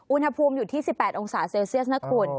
อุณหภูมิอยู่ที่๑๘องศาเซลเซียสนะคุณ